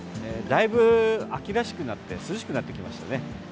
だいぶ秋らしくなって涼しくなってきましたね。